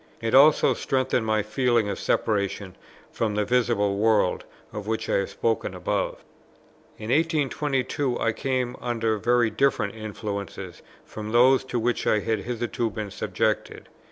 It also strengthened my feeling of separation from the visible world, of which I have spoken above. In 1822 I came under very different influences from those to which I had hitherto been subjected.